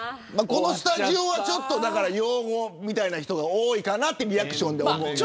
このスタジオは擁護みたいな人が多いかなというリアクションです。